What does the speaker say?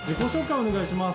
お願いします。